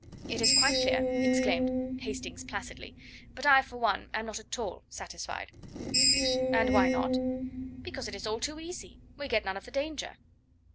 "It is quite clear," exclaimed Hastings placidly; "but I, for one, am not at all satisfied." "And why not?" "Because it is all too easy. We get none of the danger."